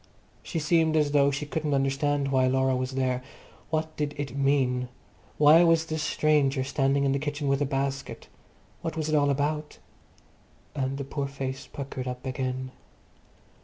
She seemed as though she couldn't understand why Laura was there. What did it mean? Why was this stranger standing in the kitchen with a basket? What was it all about? And the poor face puckered up again.